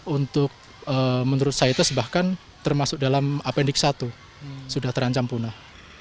untuk menurut saites bahkan termasuk dalam appendix satu sudah terancam punah